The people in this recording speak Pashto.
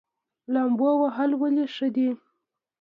لامبو وهل ولې ښه دي؟